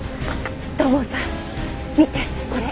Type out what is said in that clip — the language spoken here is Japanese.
土門さん見てこれ。